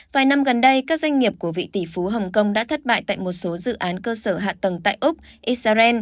vài năm gần đây các doanh nghiệp của vị tỷ phú hồng kông đã thất bại tại một số dự án cơ sở hạ tầng tại úc israel